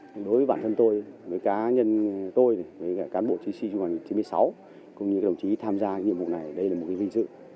đối với bản thân tôi với cá nhân tôi với cán bộ chí sĩ chung hành chín mươi sáu cùng những đồng chí tham gia nhiệm vụ này đây là một hình dự